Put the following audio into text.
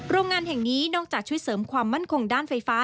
โรงงานแห่งนี้นอกจากช่วยเสริมความมั่นคงด้านไฟฟ้า